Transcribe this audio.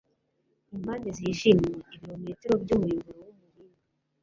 impande zijimye ibirometero byumuyoboro wumuringa